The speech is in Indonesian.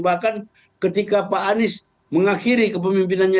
bahkan ketika pak anies mengakhiri kepemimpinannya